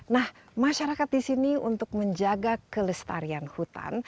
nah masyarakat di sini untuk menjaga kelestarian hutan